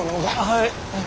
はい。